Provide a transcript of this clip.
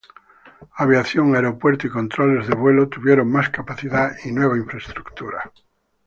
Aviación, aeropuerto y controles de vuelo tuvieron más capacidad y nueva infraestructura.